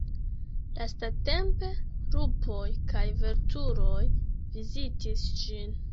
Lastatempe, lupoj kaj vulturoj vizitis ĝin.